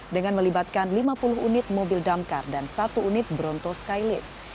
dengan melibatkan lima puluh unit mobil damkar dan satu unit bronto skylift